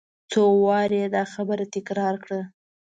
څو وارې یې دا خبره تکرار کړه.